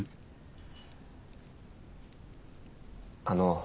あの。